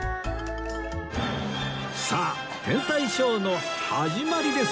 さあ天体ショーの始まりです